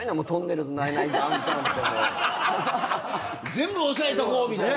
全部おさえとこうみたいな。